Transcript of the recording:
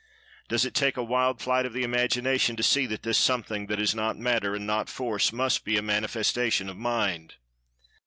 Does it take a wild flight of the imagination to see that this Something, that is not Matter, and nor Force, must be a manifestation of Mind?